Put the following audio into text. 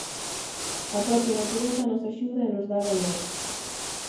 A propia natureza nos axuda e nos dá valor.